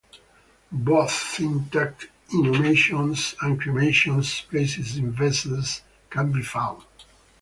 Both intact inhumations and cremations placed in vessels can be found.